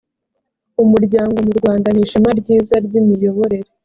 umuryango mu rwanda nishema ryiza ryimiyoborere